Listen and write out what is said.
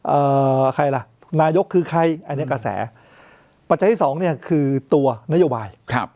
เอ่อใครล่ะนายกคือใครอันนี้กระแสปัจจัยที่สองเนี่ยคือตัวนโยบายครับ